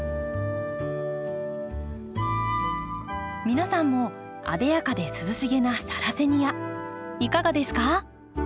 皆さんも艶やかで涼しげなサラセニアいかがですか？